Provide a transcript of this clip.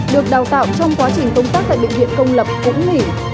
được đào tạo trong quá trình công tác tại bệnh viện công lập cũng nghỉ